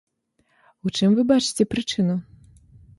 У чым вы бачыце прычыну?